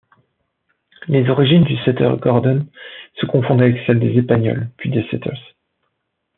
Les origines du setter Gordon se confondent avec celles des épagneuls puis des setters.